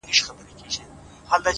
نو ځکه هغه ته پرده وايو؛